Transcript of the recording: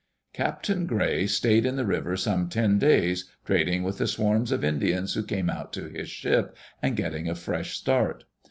Captain Gray stayed in the river some ten days, trading with the swarms of Indians who came out to his ship, and getting a fresh start.